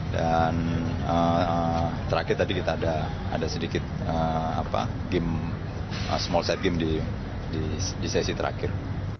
dan terakhir tadi kita ada sedikit game small set game di sesi terakhir